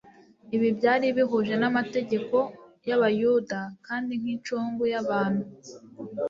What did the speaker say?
Ibi byari bihuje n'amategeko y'Abayuda, kandi nk'incungu y'abantu